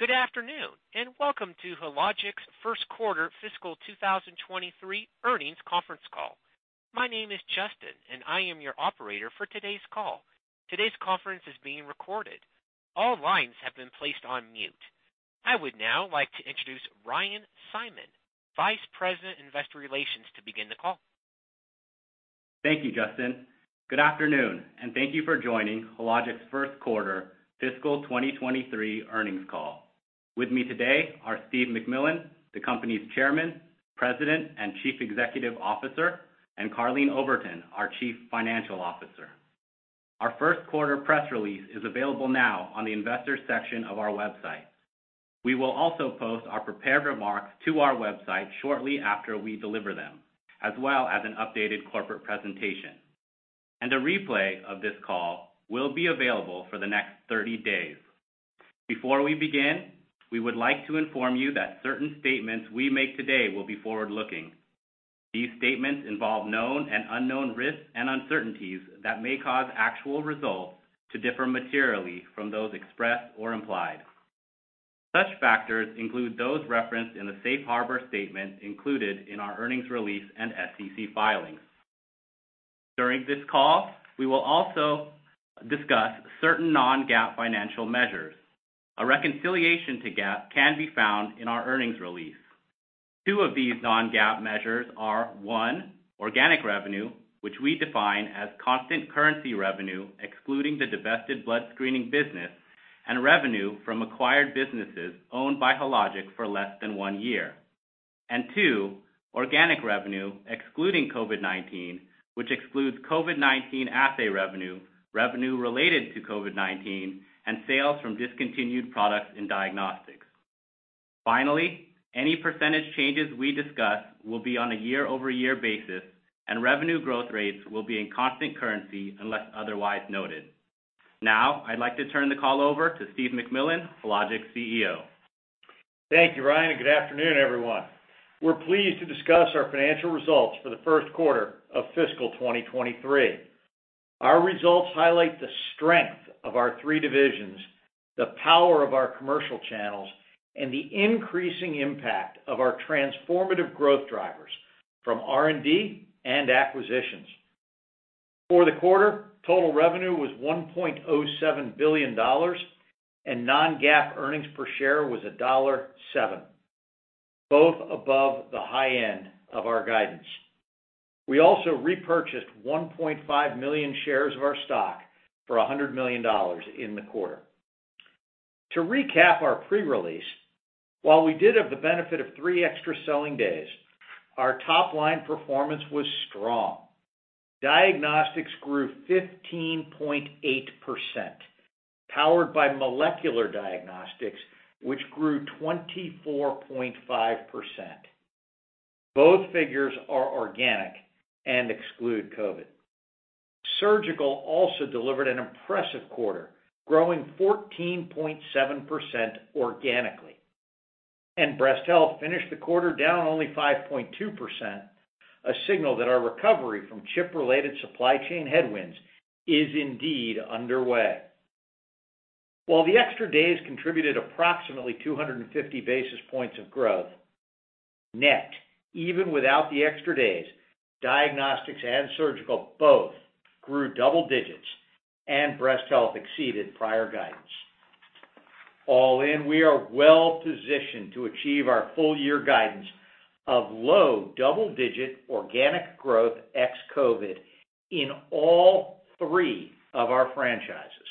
Good afternoon, welcome to Hologic's first quarter fiscal 2023 earnings conference call. My name is Justin. I am your operator for today's call. Today's conference is being recorded. All lines have been placed on mute. I would now like to introduce Ryan Simon, Vice President, Investor Relations, to begin the call. Thank you, Justin. Good afternoon and thank you for joining Hologic's first quarter fiscal 2023 earnings call. With me today are Steve MacMillan, the company's Chairman, President, and Chief Executive Officer, and Karleen Oberton, our Chief Financial Officer. Our first quarter press release is available now on the Investors section of our website. We will also post our prepared remarks to our website shortly after we deliver them, as well as an updated corporate presentation. A replay of this call will be available for the next 30 days. Before we begin, we would like to inform you that certain statements we make today will be forward-looking. These statements involve known and unknown risks and uncertainties that may cause actual results to differ materially from those expressed or implied. Such factors include those referenced in the safe harbor statement included in our earnings release and SEC filings. During this call, we will also discuss certain non-GAAP financial measures. A reconciliation to GAAP can be found in our earnings release. Two of these non-GAAP measures are, one, organic revenue, which we define as constant currency revenue excluding the divested blood screening business and revenue from acquired businesses owned by Hologic for less than one year, and two, organic revenue excluding COVID-19, which excludes COVID-19 assay revenue related to COVID-19, and sales from discontinued products in diagnostics. Finally, any percentage changes we discuss will be on a year-over-year basis, and revenue growth rates will be in constant currency unless otherwise noted. Now, I'd like to turn the call over to Stephen MacMillan, Hologic's CEO. Thank you, Ryan. Good afternoon, everyone. We're pleased to discuss our financial results for the first quarter of fiscal 2023. Our results highlight the strength of our three divisions, the power of our commercial channels, and the increasing impact of our transformative growth drivers from R&D and acquisitions. For the quarter, total revenue was $1.07 billion, and non-GAAP earnings per share was $1.07, both above the high end of our guidance. We also repurchased 1.5 million shares of our stock for $100 million in the quarter. To recap our pre-release, while we did have the benefit of three extra selling days, our top-line performance was strong. Diagnostics grew 15.8%, powered by molecular diagnostics, which grew 24.5%. Both figures are organic and exclude COVID. Surgical also delivered an impressive quarter, growing 14.7% organically. Breast Health finished the quarter down only 5.2%, a signal that our recovery from chip-related supply chain headwinds is indeed underway. While the extra days contributed approximately 250 basis points of growth, net, even without the extra days, Diagnostics and Surgical both grew double digits and Breast Health exceeded prior guidance. All in, we are well positioned to achieve our full year guidance of low double-digit organic growth ex-COVID in all three of our franchises,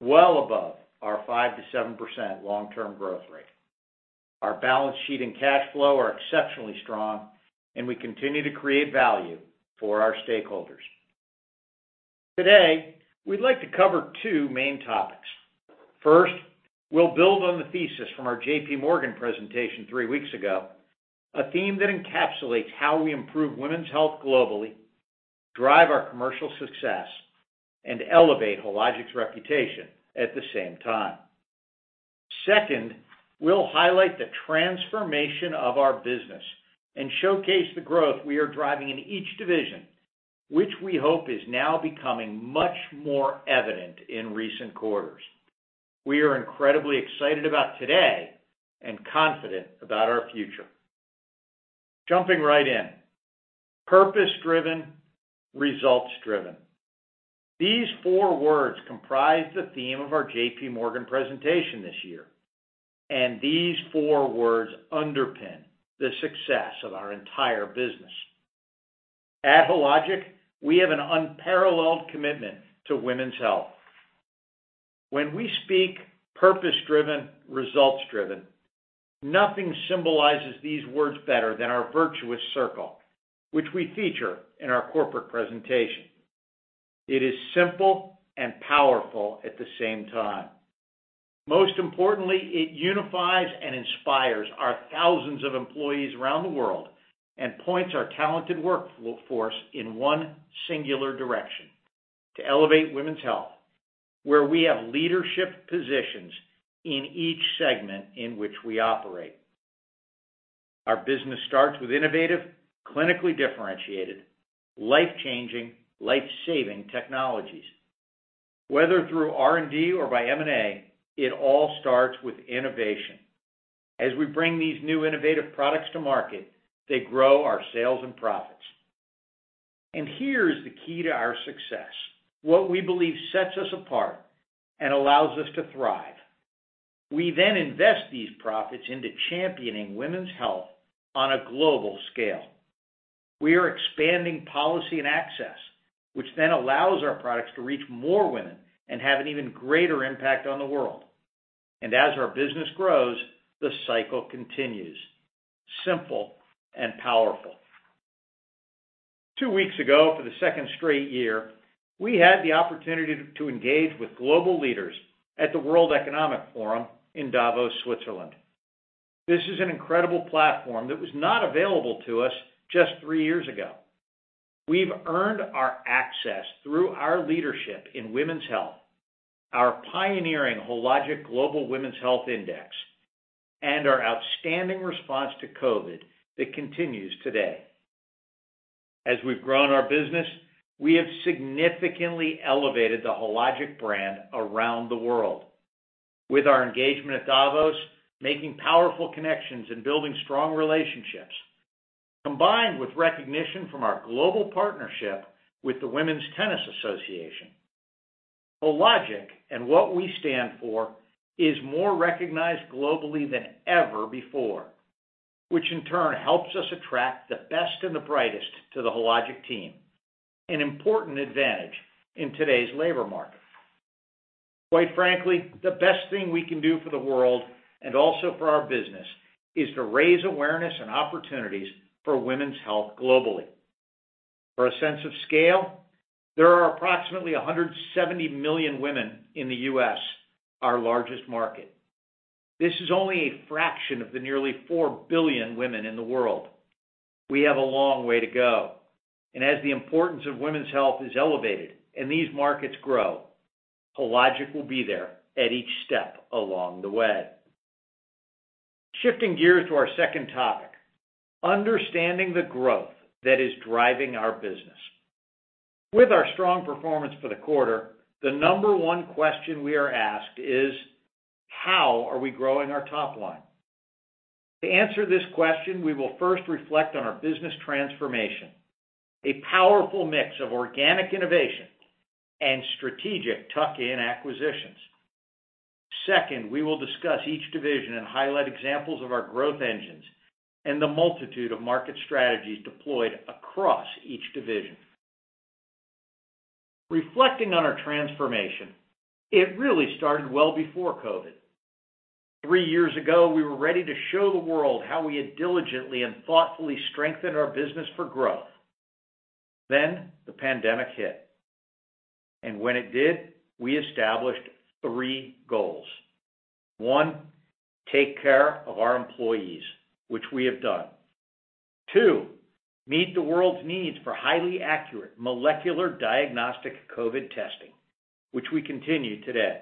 well above our 5%-7% long-term growth rate. Our balance sheet and cash flow are exceptionally strong, and we continue to create value for our stakeholders. Today, we'd like to cover two main topics. First, we'll build on the thesis from our JP Morgan presentation three weeks ago, a theme that encapsulates how we improve women's health globally, drive our commercial success, and elevate Hologic's reputation at the same time. Second, we'll highlight the transformation of our business and showcase the growth we are driving in each division, which we hope is now becoming much more evident in recent quarters. We are incredibly excited about today and confident about our future. Jumping right in. Purpose-driven, results-driven. These four words comprise the theme of our JP Morgan presentation this year, and these four words underpin the success of our entire business. At Hologic, we have an unparalleled commitment to women's health. When we speak purpose-driven, results-driven, nothing symbolizes these words better than our virtuous circle, which we feature in our corporate presentation. It is simple and powerful at the same time. Most importantly, it unifies and inspires our thousands of employees around the world and points our talented workforce in one singular direction, to elevate women's health, where we have leadership positions in each segment in which we operate. Our business starts with innovative, clinically differentiated, life-changing, life-saving technologies. Whether through R&D or by M&A, it all starts with innovation. As we bring these new innovative products to market, they grow our sales and profits. Here's the key to our success, what we believe sets us apart and allow us to thrive. We invest these profits into championing women's health on a global scale. We are expanding policy and access, which then allows our products to reach more women and have an even greater impact on the world. As our business grows, the cycle continues. Simple and powerful. Two weeks ago, for the second straight year, we had the opportunity to engage with global leaders at the World Economic Forum in Davos, Switzerland. This is an incredible platform that was not available to us just three years ago. We've earned our access through our leadership in women's health, our pioneering Hologic Global Women's Health Index, and our outstanding response to COVID that continues today. As we've grown our business, we have significantly elevated the Hologic brand around the world. With our engagement at Davos, making powerful connections and building strong relationships, combined with recognition from our global partnership with the Women's Tennis Association. Hologic, and what we stand for, is more recognized globally than ever before, which in turn helps us attract the best and the brightest to the Hologic team, an important advantage in today's labor market. Quite frankly, the best thing we can do for the world, and also for our business, is to raise awareness and opportunities for women's health globally. For a sense of scale, there are approximately 170 million women in the U.S., our largest market. This is only a fraction of the nearly 4 billion women in the world. We have a long way to go. As the importance of women's health is elevated and these markets grow, Hologic will be there at each step along the way. Shifting gears to our second topic, understanding the growth that is driving our business. With our strong performance for the quarter, the number one question we are asked is, how are we growing our top line? To answer this question, we will first reflect on our business transformation, a powerful mix of organic innovation and strategic tuck-in acquisitions. Second, we will discuss each division and highlight examples of our growth engines and the multitude of market strategies deployed across each division. Reflecting on our transformation, it really started well before COVID. Three years ago, we were ready to show the world how we had diligently and thoughtfully strengthened our business for growth. The pandemic hit. When it did, we established three goals. One, take care of our employees, which we have done. Two, meet the world's needs for highly accurate molecular diagnostic COVID testing, which we continue today.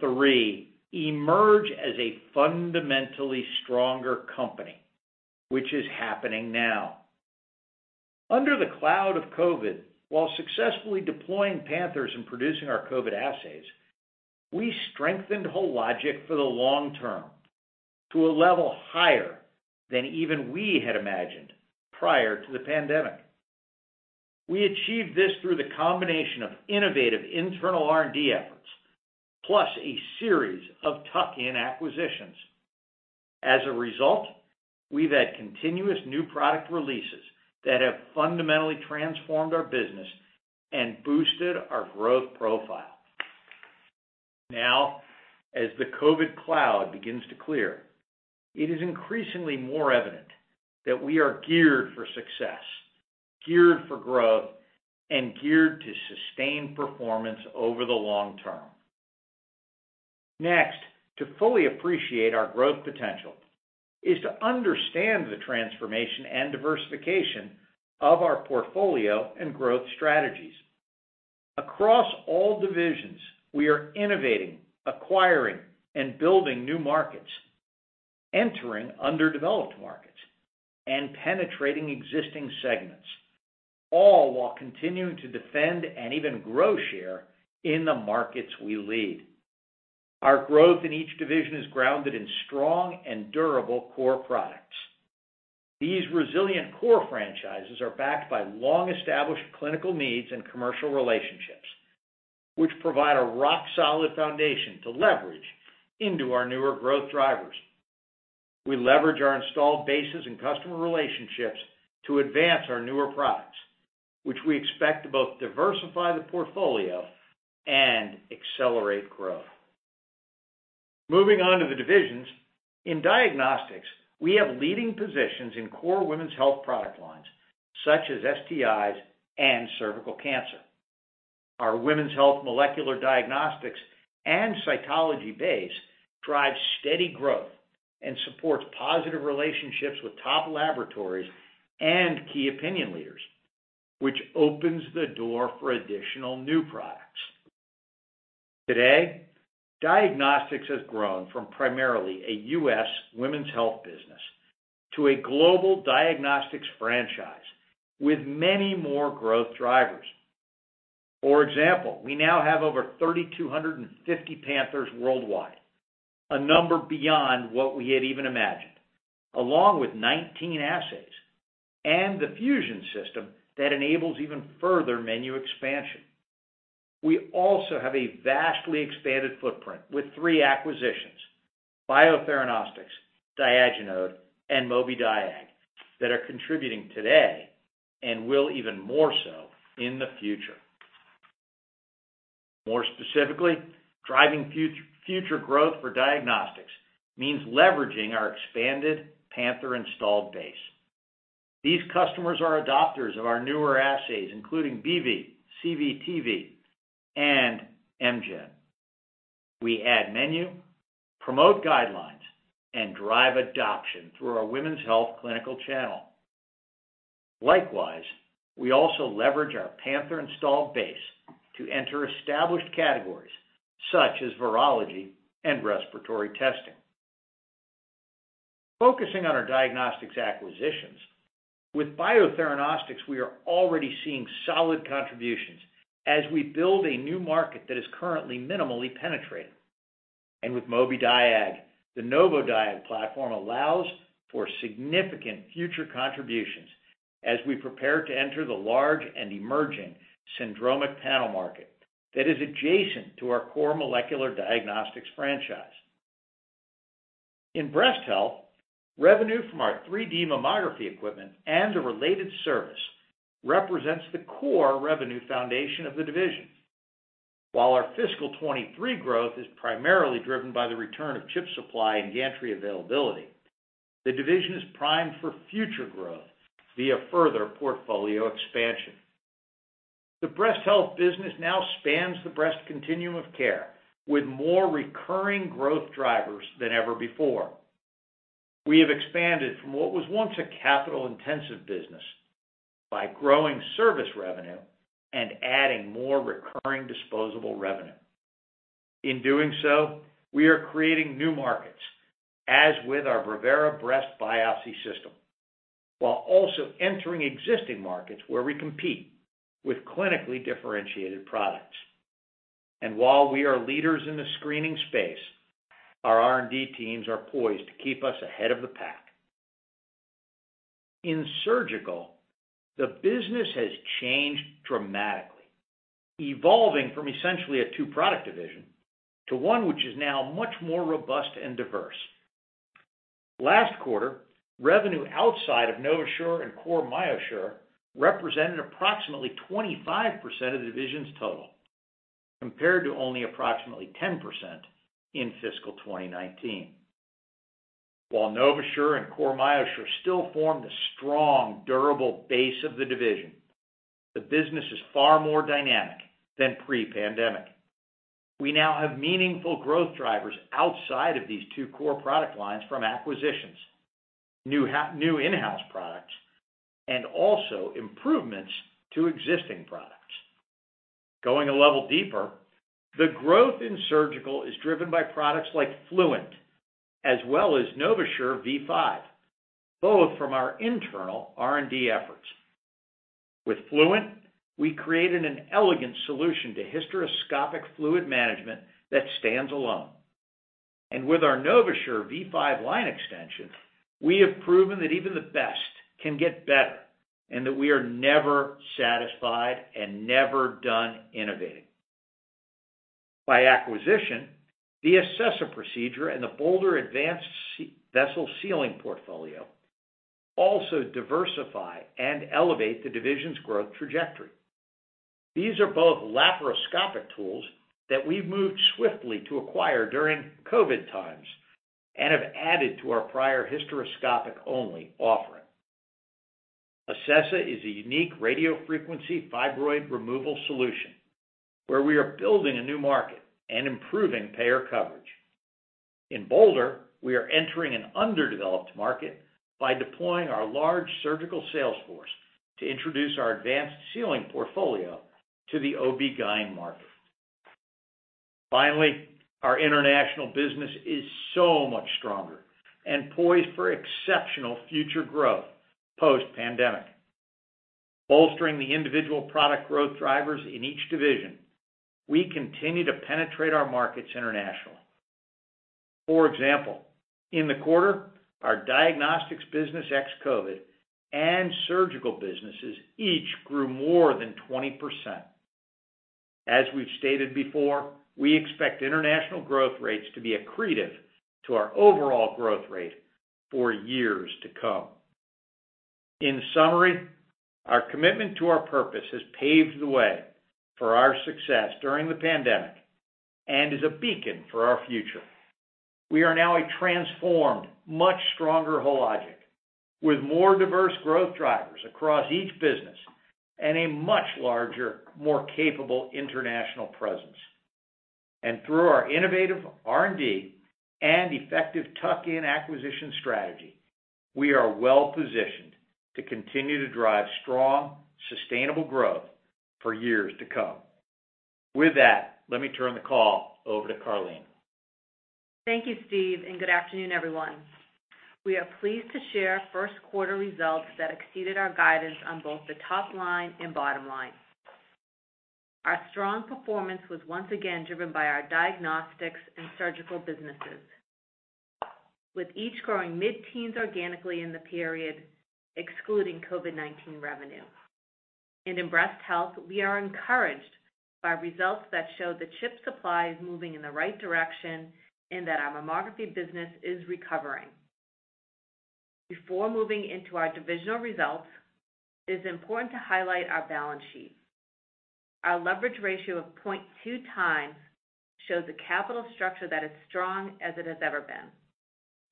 Three, emerge as a fundamentally stronger company, which is happening now. Under the cloud of COVID, while successfully deploying Panthers and producing our COVID assays, we strengthened Hologic for the long term to a level higher than even we had imagined prior to the pandemic. We achieved this through the combination of innovative internal R&D efforts, plus a series of tuck-in acquisitions. As a result, we've had continuous new product releases that have fundamentally transformed our business and boosted our growth profile. As the COVID cloud begins to clear, it is increasingly more evident that we are geared for success, geared for growth, and geared to sustain performance over the long term. To fully appreciate our growth potential is to understand the transformation and diversification of our portfolio and growth strategies. Across all divisions, we are innovating, acquiring, and building new markets, entering underdeveloped markets, and penetrating existing segments, all while continuing to defend and even grow share in the markets we lead. Our growth in each division is grounded in strong and durable core products. These resilient core franchises are backed by long-established clinical needs and commercial relationships, which provide a rock-solid foundation to leverage into our newer growth drivers. We leverage our installed bases and customer relationships to advance our newer products, which we expect to both diversify the portfolio and accelerate growth. Moving on to the divisions. In diagnostics, we have leading positions in core women's health product lines such as STIs and cervical cancer. Our women's health molecular diagnostics and cytology base drives steady growth and supports positive relationships with top laboratories and key opinion leaders, which opens the door for additional new products. Today, diagnostics has grown from primarily a U.S. women's health business to a global diagnostics franchise with many more growth drivers. For example, we now have over 3,250 Panthers worldwide, a number beyond what we had even imagined, along with 19 assays and the Fusion system that enables even further menu expansion. We also have a vastly expanded footprint with three acquisitions, Biotheranostics, Diagenode, and Mobidiag, that are contributing today and will even more so in the future. More specifically, driving future growth for diagnostics means leveraging our expanded Panther installed base. These customers are adopters of our newer assays, including BV, CVTV, and Mgen. We add menu, promote guidelines, and drive adoption through our women's health clinical channel. Likewise, we also leverage our Panther installed base to enter established categories such as virology and respiratory testing. Focusing on our diagnostics acquisitions, with Biotheranostics, we are already seeing solid contributions as we build a new market that is currently minimally penetrated. With Mobidiag, the Novodiag platform allows for significant future contributions as we prepare to enter the large and emerging syndromic panel market that is adjacent to our core molecular diagnostics franchise. In breast health, revenue from our 3D mammography equipment and the related service represents the core revenue foundation of the division. While our fiscal 2023 growth is primarily driven by the return of chip supply and gantry availability, the division is primed for future growth via further portfolio expansion. The breast health business now spans the breast continuum of care with more recurring growth drivers than ever before. We have expanded from what was once a capital-intensive business by growing service revenue and adding more recurring disposable revenue. In doing so, we are creating new markets, as with our Brevera breast biopsy system, while also entering existing markets where we compete with clinically differentiated products. While we are leaders in the screening space, our R&D teams are poised to keep us ahead of the pack. In surgical, the business has changed dramatically, evolving from essentially a two-product division to one which is now much more robust and diverse. Last quarter, revenue outside of NovaSure and Core MyoSure represented approximately 25% of the division's total, compared to only approximately 10% in fiscal 2019. While NovaSure and Core MyoSure still form the strong, durable base of the division, the business is far more dynamic than pre-pandemic. We now have meaningful growth drivers outside of these two core product lines from acquisitions, new in-house products, and also improvements to existing products. Going a level deeper, the growth in surgical is driven by products like Fluent as well as NovaSure V5, both from our internal R&D efforts. With Fluent, we created an elegant solution to hysteroscopic fluid management that stands alone. With our NovaSure V5 line extension, we have proven that even the best can get better, and that we are never satisfied and never done innovating. By acquisition, the Acessa procedure and the Bolder advanced vessel sealing portfolio also diversify and elevate the division's growth trajectory. These are both laparoscopic tools that we've moved swiftly to acquire during COVID times and have added to our prior hysteroscopic only offering. Acessa is a unique radiofrequency fibroid removal solution where we are building a new market and improving payer coverage. In Bolder, we are entering an underdeveloped market by deploying our large surgical sales force to introduce our advanced sealing portfolio to the OBGYN market. Finally, our international business is so much stronger and poised for exceptional future growth post-pandemic. Bolstering the individual product growth drivers in each division, we continue to penetrate our markets international. For example, in the quarter, our diagnostics business ex COVID and surgical businesses each grew more than 20%. As we've stated before, we expect international growth rates to be accretive to our overall growth rate for years to come. In summary, our commitment to our purpose has paved the way for our success during the pandemic and is a beacon for our future. We are now a transformed, much stronger Hologic, with more diverse growth drivers across each business and a much larger, more capable international presence. Through our innovative R&D and effective tuck-in acquisition strategy. We are well positioned to continue to drive strong, sustainable growth for years to come. With that, let me turn the call over to Karleen. Thank you, Steve. Good afternoon, everyone. We are pleased to share first quarter results that exceeded our guidance on both the top line and bottom line. Our strong performance was once again driven by our diagnostics and surgical businesses, with each growing mid-teens organically in the period, excluding COVID-19 revenue. In breast health, we are encouraged by results that show the chip supply is moving in the right direction and that our mammography business is recovering. Before moving into our divisional results, it is important to highlight our balance sheet. Our leverage ratio of 0.2x shows a capital structure that is strong as it has ever been,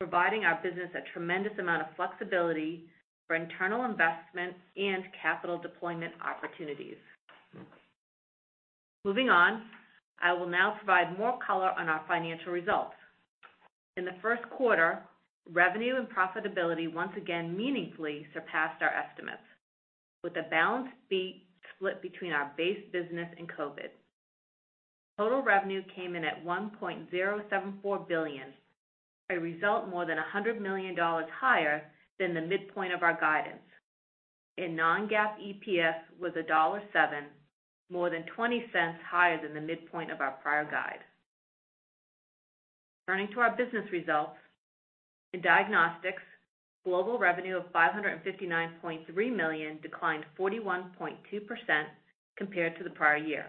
providing our business a tremendous amount of flexibility for internal investment and capital deployment opportunities. Moving on, I will now provide more color on our financial results. In the first quarter, revenue and profitability once again meaningfully surpassed our estimates, with a balanced beat split between our base business and COVID. Total revenue came in at $1.074 billion, a result more than $100 million higher than the midpoint of our guidance. non-GAAP EPS was $1.07, more than $0.20 higher than the midpoint of our prior guide. Turning to our business results. In diagnostics, global revenue of $559.3 million declined 41.2% compared to the prior year.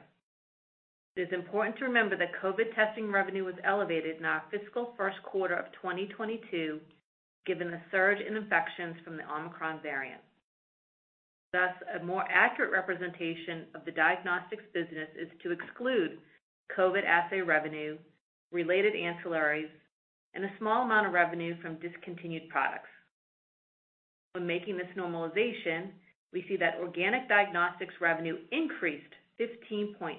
It is important to remember that COVID testing revenue was elevated in our fiscal first quarter of 2022, given the surge in infections from the Omicron variant. A more accurate representation of the diagnostics business is to exclude COVID assay revenue, related ancillaries, and a small amount of revenue from discontinued products. When making this normalization, we see that organic diagnostics revenue increased 15.8%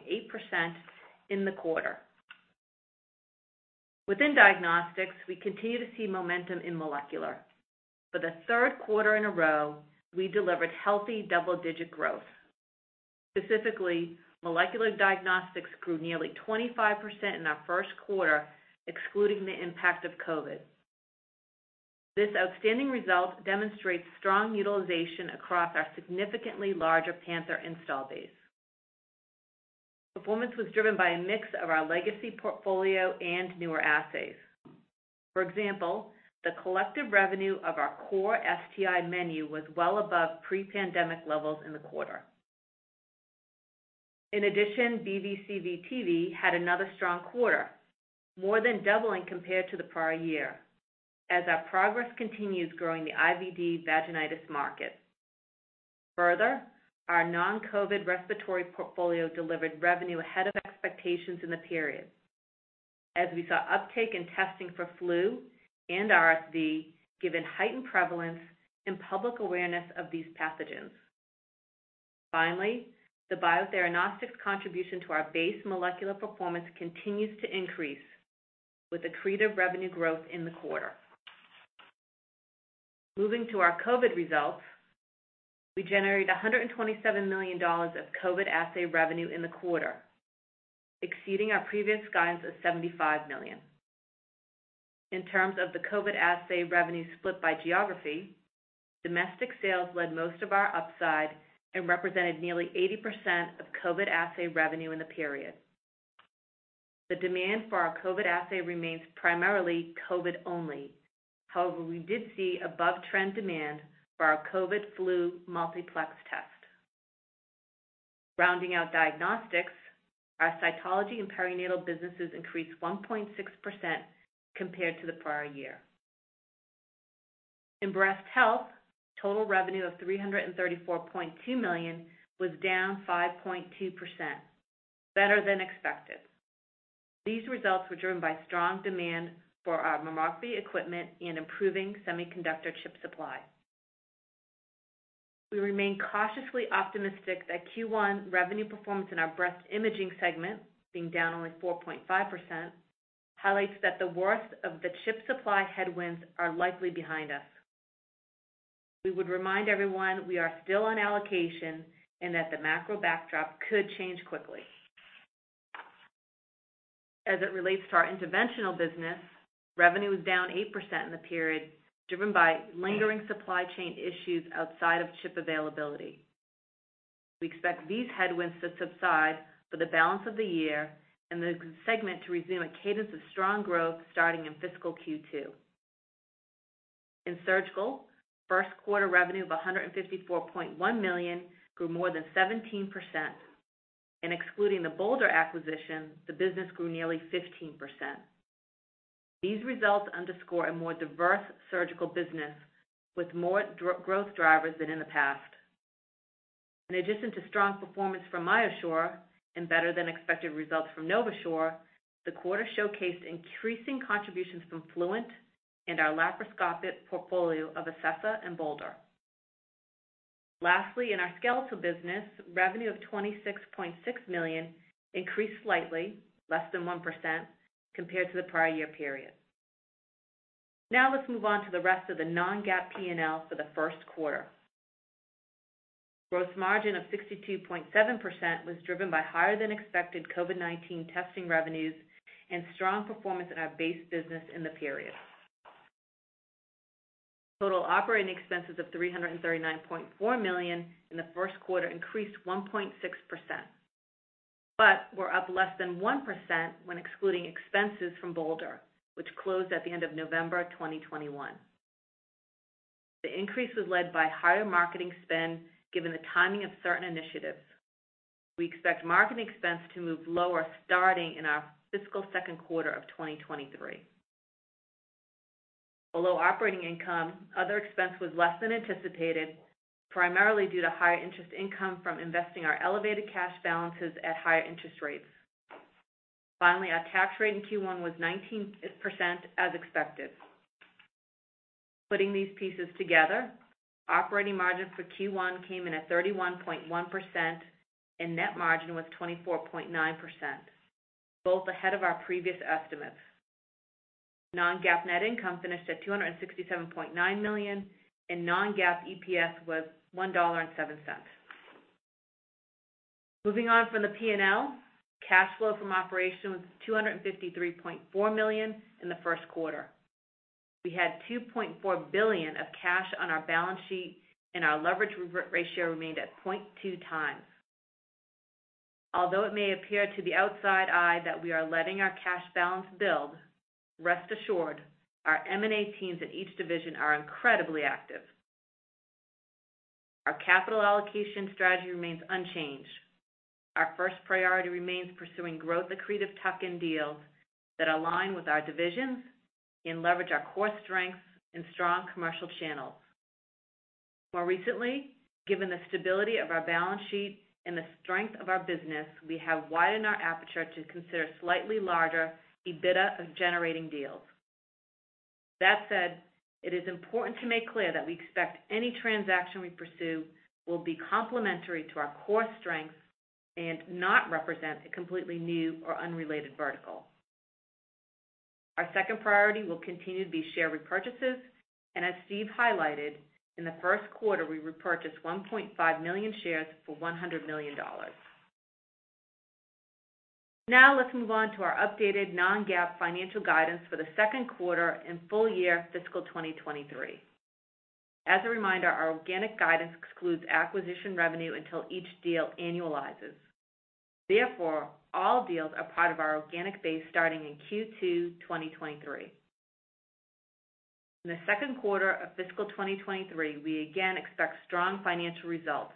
in the quarter. Within diagnostics, we continue to see momentum in molecular. For the third quarter in a row, we delivered healthy double-digit growth. Specifically, molecular diagnostics grew nearly 25% in our first quarter, excluding the impact of COVID. This outstanding result demonstrates strong utilization across our significantly larger Panther install base. Performance was driven by a mix of our legacy portfolio and newer assays. For example, the collective revenue of our core STI menu was well above pre-pandemic levels in the quarter. In addition, BVCV TV had another strong quarter, more than doubling compared to the prior year, as our progress continues growing the IVD vaginitis market. Our non-COVID respiratory portfolio delivered revenue ahead of expectations in the period, as we saw uptake in testing for flu and RSV, given heightened prevalence and public awareness of these pathogens. The Biotheranostics contribution to our base molecular performance continues to increase with accretive revenue growth in the quarter. Moving to our COVID results, we generated $127 million of COVID assay revenue in the quarter, exceeding our previous guidance of $75 million. In terms of the COVID assay revenue split by geography, domestic sales led most of our upside and represented nearly 80% of COVID assay revenue in the period. The demand for our COVID assay remains primarily COVID only. We did see above-trend demand for our COVID flu multiplex test. Rounding out diagnostics, our cytology and perinatal businesses increased 1.6% compared to the prior year. In breast health, total revenue of $334.2 million was down 5.2%, better than expected. These results were driven by strong demand for our mammography equipment and improving semiconductor chip supply. We remain cautiously optimistic that Q1 revenue performance in our breast imaging segment, being down only 4.5%, highlights that the worst of the chip supply headwinds are likely behind us. We would remind everyone we are still on allocation and that the macro backdrop could change quickly. As it relates to our interventional business, revenue was down 8% in the period, driven by lingering supply chain issues outside of chip availability. We expect these headwinds to subside for the balance of the year and the segment to resume a cadence of strong growth starting in fiscal Q2. In surgical, first quarter revenue of $154.1 million grew more than 17%. Excluding the Bolder acquisition, the business grew nearly 15%. These results underscore a more diverse surgical business with more growth drivers than in the past. In addition to strong performance from MyoSure and better than expected results from NovaSure, the quarter showcased increasing contributions from Fluent and our laparoscopic portfolio of Acessa and Bolder. Lastly, in our skeletal business, revenue of $26.6 million increased slightly less than 1% compared to the prior year period. Let's move on to the rest of the non-GAAP P&L for the first quarter. Gross margin of 62.7% was driven by higher than expected COVID-19 testing revenues and strong performance in our base business in the period. Total operating expenses of $339.4 million in the first quarter increased 1.6%, but were up less than 1% when excluding expenses from Bolder, which closed at the end of November 2021. The increase was led by higher marketing spend, given the timing of certain initiatives. We expect marketing expense to move lower starting in our fiscal second quarter of 2023. Below operating income, other expense was less than anticipated, primarily due to higher interest income from investing our elevated cash balances at higher interest rates. Finally, our tax rate in Q1 was 19%, as expected. Putting these pieces together, operating margin for Q1 came in at 31.1%, and net margin was 24.9%, both ahead of our previous estimates. Non-GAAP net income finished at $267.9 million, and non-GAAP EPS was $1.07. Moving on from the P&L, cash flow from operation was $253.4 million in the first quarter. We had $2.4 billion of cash on our balance sheet, and our leverage re-ratio remained at 0.2x. Although it may appear to the outside eye that we are letting our cash balance build, rest assured, our M&A teams in each division are incredibly active. Our capital allocation strategy remains unchanged. Our first priority remains pursuing growth accretive tuck-in deals that align with our divisions and leverage our core strengths and strong commercial channels. More recently, given the stability of our balance sheet and the strength of our business, we have widened our aperture to consider slightly larger EBITDA of generating deals. That said, it is important to make clear that we expect any transaction we pursue will be complementary to our core strengths and not represent a completely new or unrelated vertical. Our second priority will continue to be share repurchases, and as Steve highlighted, in the first quarter, we repurchased 1.5 million shares for $100 million. Let's move on to our updated non-GAAP financial guidance for the second quarter and full year fiscal 2023. As a reminder, our organic guidance excludes acquisition revenue until each deal annualizes. Therefore, all deals are part of our organic base starting in Q2 2023. In the second quarter of fiscal 2023, we again expect strong financial results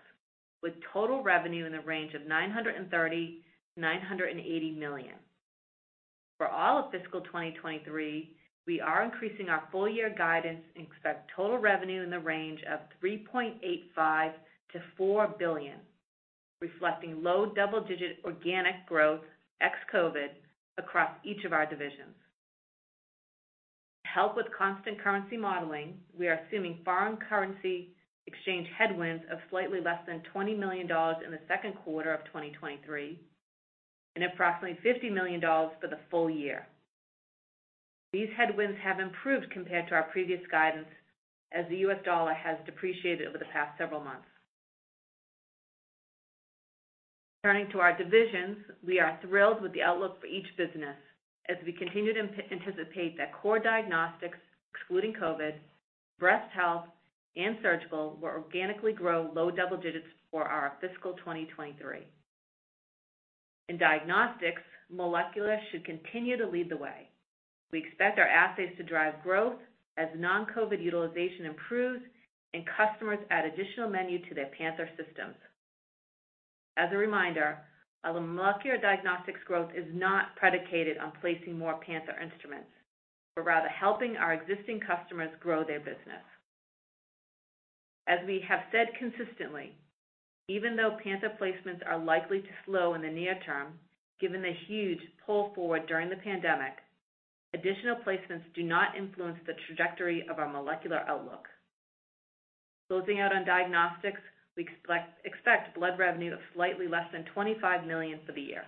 with total revenue in the range of $930 million-$980 million. For all of fiscal 2023, we are increasing our full year guidance and expect total revenue in the range of $3.85 billion-$4 billion, reflecting low double-digit organic growth ex-COVID across each of our divisions. To help with constant currency modeling, we are assuming foreign currency exchange headwinds of slightly less than $20 million in the second quarter of 2023 and approximately $50 million for the full year. These headwinds have improved compared to our previous guidance as the U.S. dollar has depreciated over the past several months. Turning to our divisions, we are thrilled with the outlook for each business as we continue to anticipate that core diagnostics, excluding COVID, breast health, and surgical will organically grow low double digits for our fiscal 2023. In diagnostics, molecular should continue to lead the way. We expect our assays to drive growth as non-COVID utilization improves and customers add additional menu to their Panther systems. As a reminder, our molecular diagnostics growth is not predicated on placing more Panther instruments but rather helping our existing customers grow their business. As we have said consistently, even though Panther placements are likely to slow in the near term, given the huge pull forward during the pandemic, additional placements do not influence the trajectory of our molecular outlook. Closing out on diagnostics, we expect blood revenue of slightly less than $25 million for the year.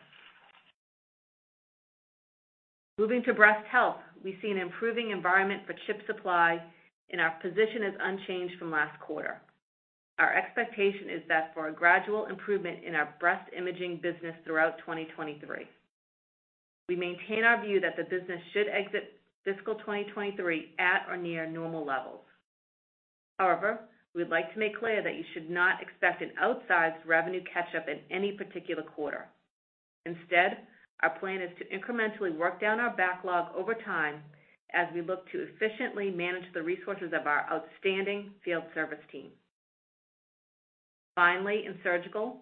Moving to breast health, we see an improving environment for chip supply, and our position is unchanged from last quarter. Our expectation is that for a gradual improvement in our breast imaging business throughout 2023, we maintain our view that the business should exit fiscal 2023 at or near normal levels. However, we'd like to make clear that you should not expect an outsized revenue catch-up in any particular quarter. Instead, our plan is to incrementally work down our backlog over time as we look to efficiently manage the resources of our outstanding field service team. Finally, in surgical,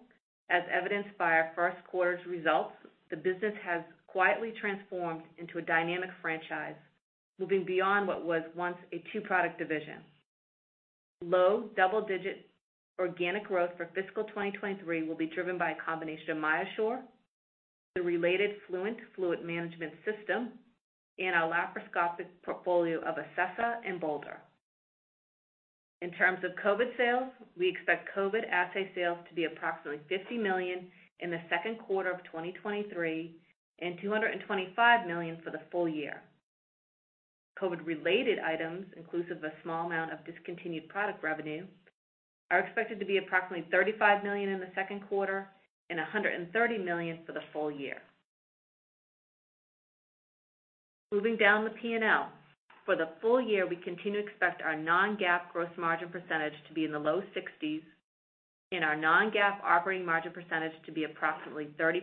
as evidenced by our first quarter's results, the business has quietly transformed into a dynamic franchise, moving beyond what was once a two-product division. Low double-digit organic growth for fiscal 2023 will be driven by a combination of MyoSure, the related Fluent fluid management system and our laparoscopic portfolio of Acessa and Bolder. In terms of COVID sales, we expect COVID assay sales to be approximately $50 million in the second quarter of 2023 and $225 million for the full year. COVID-related items, inclusive of a small amount of discontinued product revenue, are expected to be approximately $35 million in the second quarter and $130 million for the full year. Moving down the P&L, for the full year, we continue to expect our non-GAAP gross margin percentage to be in the low 60s% and our non-GAAP operating margin percentage to be approximately 30%.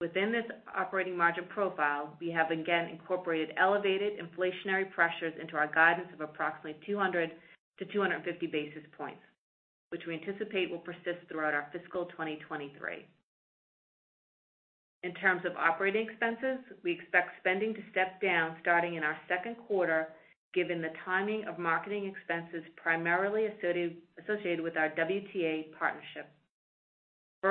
Within this operating margin profile, we have again incorporated elevated inflationary pressures into our guidance of approximately 200-250 basis points, which we anticipate will persist throughout our fiscal 2023. In terms of operating expenses, we expect spending to step down starting in our second quarter, given the timing of marketing expenses primarily associated with our WTA partnership. We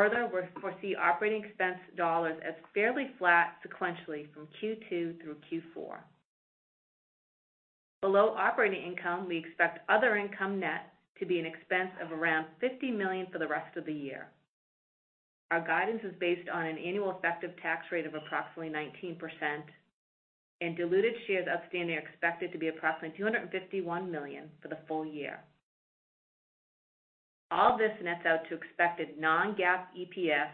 foresee operating expense dollars as fairly flat sequentially from Q2 through Q4. Below operating income, we expect other income net to be an expense of around $50 million for the rest of the year. Our guidance is based on an annual effective tax rate of approximately 19% and diluted shares outstanding are expected to be approximately 251 million for the full year. All this nets out to expected non-GAAP EPS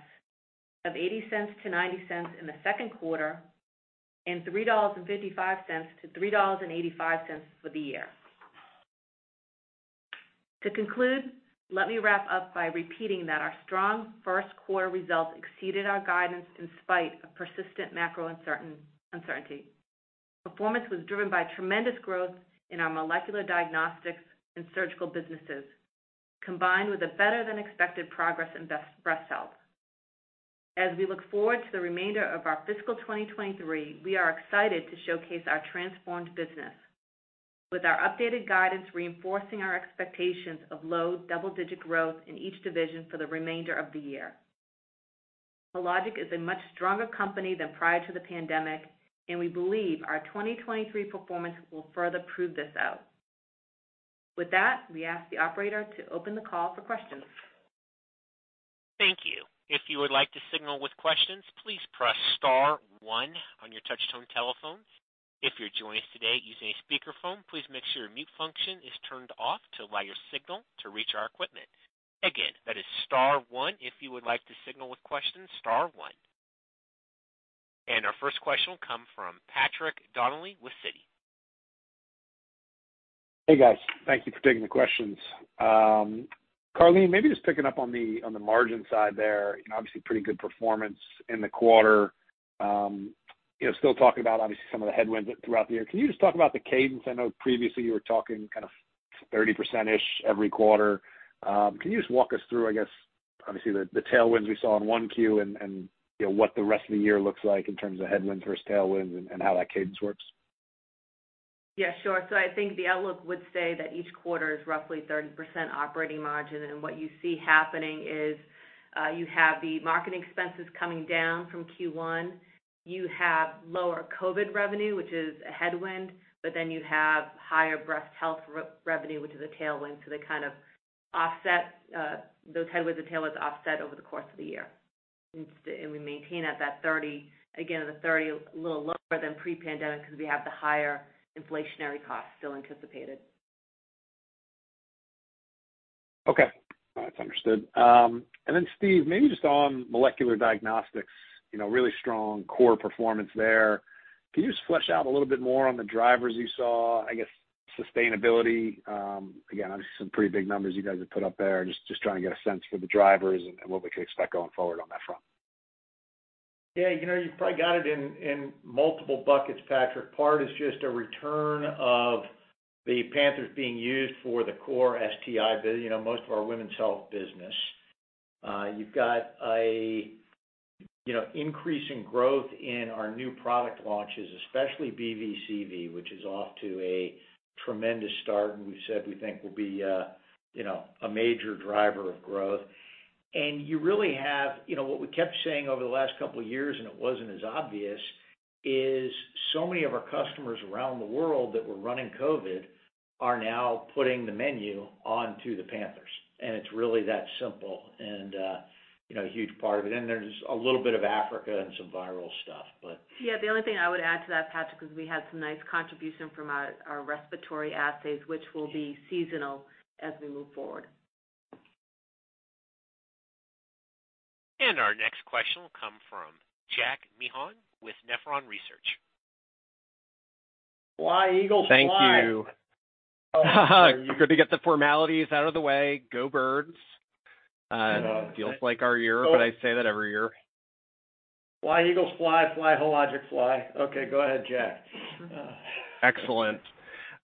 of $0.80-$0.90 in the second quarter and $3.55-$3.85 for the year. To conclude, let me wrap up by repeating that our strong first quarter results exceeded our guidance in spite of persistent macro uncertainty. Performance was driven by tremendous growth in our molecular diagnostics and surgical businesses, combined with a better than expected progress in breast health. As we look forward to the remainder of our fiscal 2023, we are excited to showcase our transformed business with our updated guidance reinforcing our expectations of low double-digit growth in each division for the remainder of the year. Hologic is a much stronger company than prior to the pandemic, and we believe our 2023 performance will further prove this out. With that, we ask the operator to open the call for questions. Thank you. If you would like to signal with questions, please press star one on your touch tone telephone. If you're joining us today using a speakerphone, please make sure your mute function is turned off to allow your signal to reach our equipment. Again, that is star one if you would like to signal with questions, star one. Our first question will come from Patrick Donnelly with Citi. Hey, guys. Thank you for taking the questions. Carleen, maybe just picking up on the margin side there, you know, obviously pretty good performance in the quarter. You know, still talking about obviously some of the headwinds throughout the year. Can you just talk about the cadence? I know previously you were talking kind of 30%-ish every quarter. Can you just walk us through, I guess, obviously the tailwinds we saw in 1Q and, you know, what the rest of the year looks like in terms of headwinds versus tailwinds and how that cadence works? Yeah, sure. I think the outlook would say that each quarter is roughly 30% operating margin. What you see happening is, you have the marketing expenses coming down from Q1. You have lower COVID revenue, which is a headwind, but then you have higher breast health re-revenue, which is a tailwind. They kind of offset, those headwinds and tailwinds offset over the course of the year. We maintain at that 30, again, the 30 a little lower than pre-pandemic 'cause we have the higher inflationary costs still anticipated. Okay. That's understood. Steve, maybe just on molecular diagnostics, you know, really strong core performance there. Can you just flesh out a little bit more on the drivers you saw? I guess, sustainability, again, obviously some pretty big numbers you guys have put up there. Just trying to get a sense for the drivers and what we could expect going forward on that front. Yeah, you know, you probably got it in multiple buckets, Patrick. Part is just a return of the Panther systems being used for the core STI business, you know, most of our women's health business. You've got a, you know, increase in growth in our new product launches, especially BVCV, which is off to a tremendous start and we said we think will be, you know, a major driver of growth. You really have, you know, what we kept saying over the last couple of years, and it wasn't as obvious, is so many of our customers around the world that were running COVID are now putting the menu onto the Panther systems, and it's really that simple. You know, a huge part of it. There's a little bit of Africa and some viral stuff. Yeah, the only thing I would add to that, Patrick, is we had some nice contribution from our respiratory assays, which will be seasonal as we move forward. Our next question will come from Jack Meehan with Nephron Research. Fly, Eagles, fly. Thank you. Good to get the formalities out of the way. Go Birds. Feels like our year, but I say that every year. Fly, Eagles, fly. Fly, Hologic, fly. Okay, go ahead, Jack. Excellent.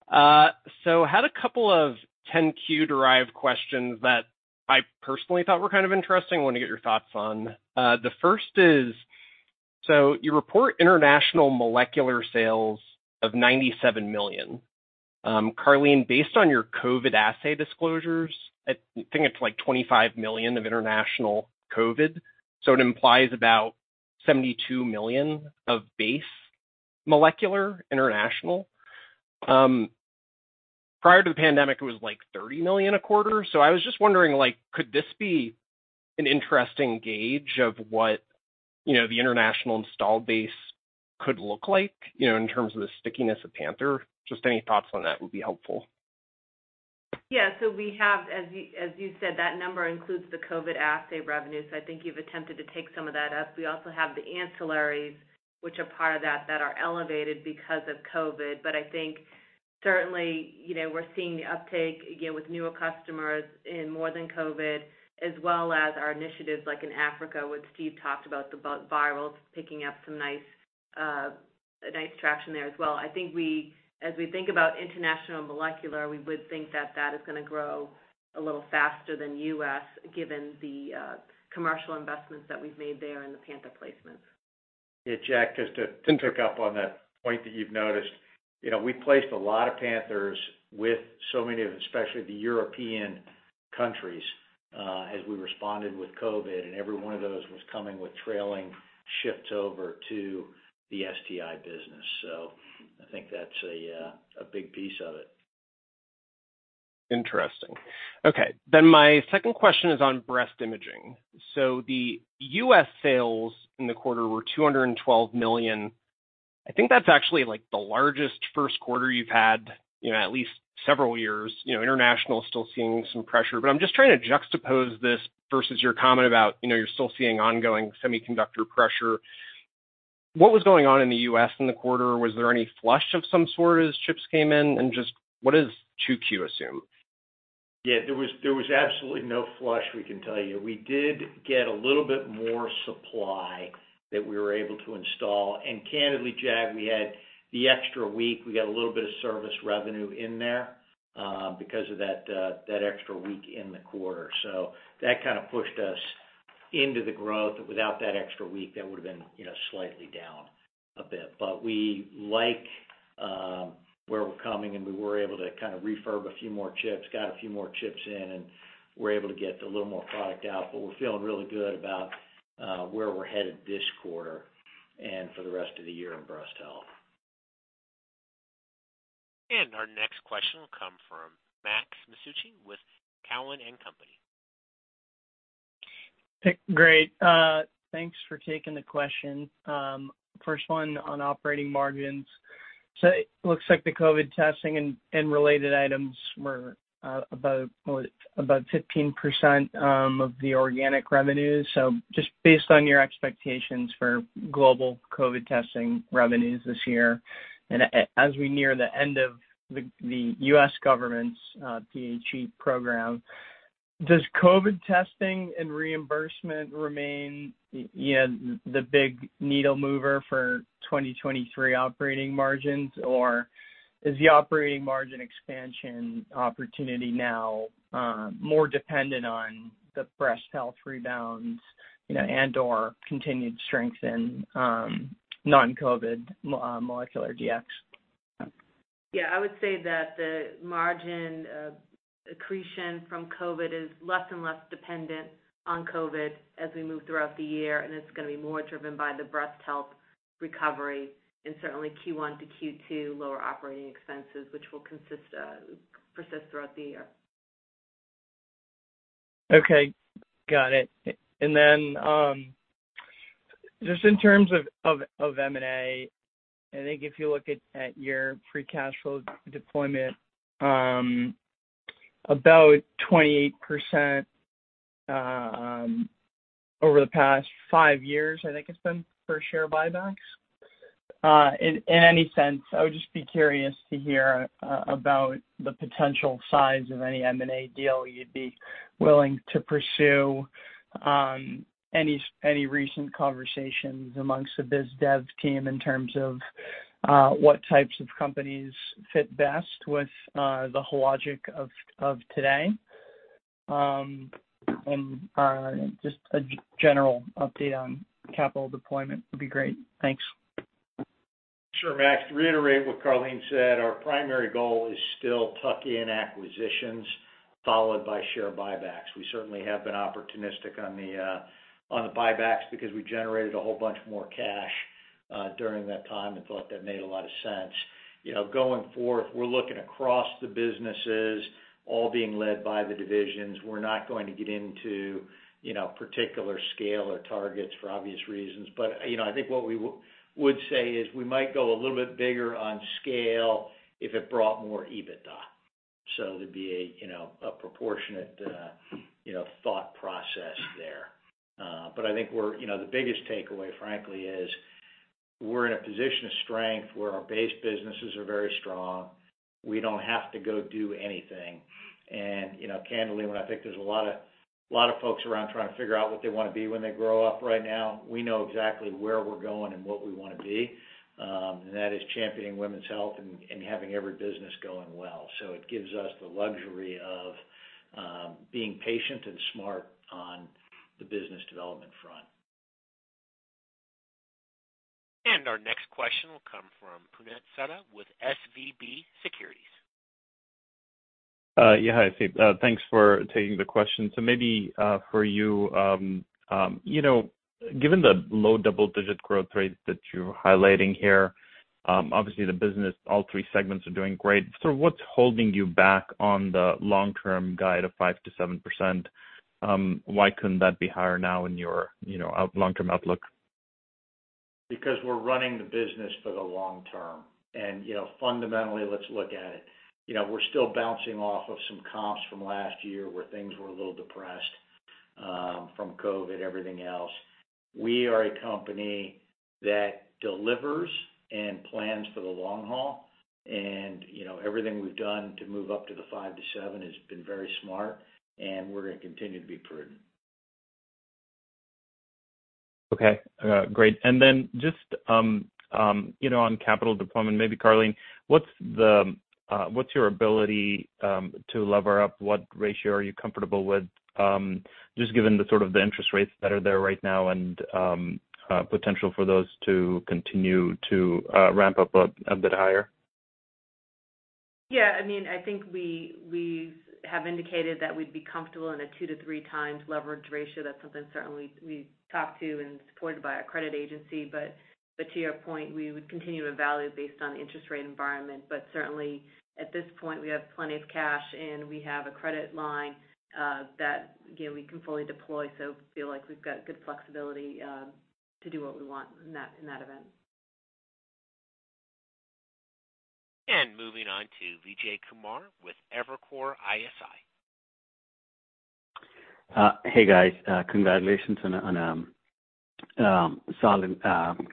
Had a couple of 10-Q-derived questions that I personally thought were kind of interesting, want to get your thoughts on. The first is, you report international molecular sales of $97 million. Karleen, based on your COVID assay disclosures, I think it's like $25 million of international COVID, so it implies about $72 million of base molecular international. Prior to the pandemic, it was like $30 million a quarter. I was just wondering, like, could this be an interesting gauge of what, you know, the international installed base could look like, you know, in terms of the stickiness of Panther? Just any thoughts on that would be helpful. Yeah. As you said, that number includes the COVID assay revenue. I think you've attempted to take some of that up. We also have the ancillaries, which are part of that are elevated because of COVID. I think certainly, you know, we're seeing the uptake, again, with newer customers in more than COVID, as well as our initiatives like in Africa, what Steve talked about, the virals picking up some nice traction there as well. I think as we think about international molecular, we would think that that is gonna grow a little faster than U.S., given the commercial investments that we've made there in the Panther placements. Yeah, Jack, just to pick up on that point that you've noticed. You know, we placed a lot of Panthers with so many of, especially the European countries, as we responded with COVID, and every one of those was coming with trailing shifts over to the STI business. I think that's a big piece of it. Interesting. Okay. My second question is on breast imaging. The U.S. sales in the quarter were $212 million. I think that's actually, like, the largest first quarter you've had, you know, at least several years. You know, international is still seeing some pressure. I'm just trying to juxtapose this versus your comment about, you know, you're still seeing ongoing semiconductor pressure. What was going on in the U.S. in the quarter? Was there any flush of some sort as chips came in, and just what does 2Q assume? Yeah, there was absolutely no flush, we can tell you. We did get a little bit more supply that we were able to install. Candidly, Jack, we had the extra week. We got a little bit of service revenue in there because of that extra week in the quarter. That kind of pushed us into the growth. Without that extra week, that would've been, you know, slightly down a bit. We like where we're coming, and we were able to kind of refurb a few more chips, got a few more chips in, and we're able to get a little more product out. We're feeling really good about where we're headed this quarter and for the rest of the year in breast health. Our next question will come from Max Masucci with Cowen and Company. Great. Thanks for taking the question. First one on operating margins. It looks like the COVID testing and related items were about 15% of the organic revenues. Just based on your expectations for global COVID testing revenues this year, and as we near the end of the U.S. government's PHE program, does COVID testing and reimbursement remain yeah, the big needle mover for 2023 operating margins, or is the operating margin expansion opportunity now more dependent on the breast health rebounds, you know, and/or continued strength in non-COVID molecular Dx? I would say that the margin accretion from COVID is less and less dependent on COVID as we move throughout the year. It's gonna be more driven by the breast health recovery and certainly Q1-Q2 lower operating expenses, which will persist throughout the year. Okay. Got it. Just in terms of M&A, I think if you look at your free cash flow deployment, about 28% over the past five years, I think it's been for share buybacks. In any sense, I would just be curious to hear about the potential size of any M&A deal you'd be willing to pursue, any recent conversations amongst the biz dev team in terms of what types of companies fit best with the Hologic of today. Just a general update on capital deployment would be great. Thanks. Sure, Max. To reiterate what Karleen said, our primary goal is still tuck-in acquisitions, followed by share buybacks. We certainly have been opportunistic on the on the buybacks because we generated a whole bunch more cash during that time and thought that made a lot of sense. You know, going forth, we're looking across the businesses all being led by the divisions. We're not going to get into, you know, particular scale or targets for obvious reasons. You know, I think what we would say is we might go a little bit bigger on scale if it brought more EBITDA. There'd be a, you know, a proportionate, you know, thought process there. I think we're, you know, the biggest takeaway, frankly, is we're in a position of strength where our base businesses are very strong. We don't have to go do anything. You know, candidly, when I think there's a lot of folks around trying to figure out what they wanna be when they grow up right now, we know exactly where we're going and what we wanna be, and that is championing women's health and having every business going well. It gives us the luxury of being patient and smart on the business development front. Our next question will come from Puneet Souda with SVB Securities. Yeah, hi Steve. Thanks for taking the question. Maybe, for you know, given the low double-digit growth rate that you're highlighting here, obviously the business, all three segments are doing great. What's holding you back on the long-term guide of 5%-7%? Why couldn't that be higher now in your, you know, long-term outlook? Because we're running the business for the long term. You know, fundamentally, let's look at it. You know, we're still bouncing off of some comps from last year where things were a little depressed from COVID, everything else. We are a company that delivers and plans for the long haul and, you know, everything we've done to move up to the five-seven has been very smart, and we're gonna continue to be prudent. Okay, great. Then just, you know, on capital deployment, maybe Karleen, what's your ability to lever up? What ratio are you comfortable with? Just given the sort of the interest rates that are there right now and potential for those to continue to ramp up a bit higher? Yeah, I mean, I think we have indicated that we'd be comfortable in a 2x-3x leverage ratio. That's something certainly we talk to and supported by our credit agency. To your point, we would continue to evaluate based on interest rate environment. Certainly, at this point, we have plenty of cash and we have a credit line that, again, we can fully deploy. We feel like we've got good flexibility to do what we want in that event. Moving on to Vijay Kumar with Evercore ISI. Hey guys, congratulations on a solid